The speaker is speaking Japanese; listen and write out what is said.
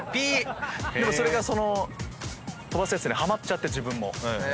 でもそれから飛ばすやつにハマっちゃって自分も。